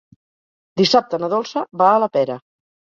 Dissabte na Dolça va a la Pera.